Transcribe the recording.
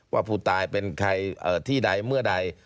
ว่าผู้ตายเป็นใครที่ใดเมื่อใด